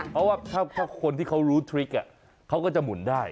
เพราะว่าถ้าคนที่เขารู้ทริคเขาก็จะหมุนได้